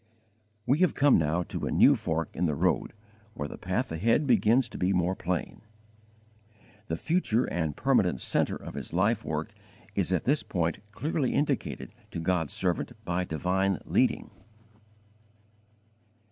We have come now to a new fork in the road where the path ahead begins to be more plain. The future and permanent centre of his life work is at this point clearly indicated to God's servant by divine leading.